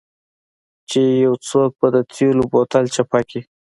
چې یو څوک به د تیلو بوتل چپه کړي